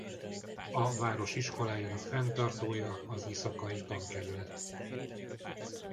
A város iskoláinak fenntartója az Issaquah-i Tankerület.